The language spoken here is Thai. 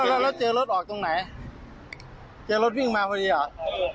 แล้วแล้วเจอรถออกตรงไหนเจอรถวิ่งมาพอดีเหรอ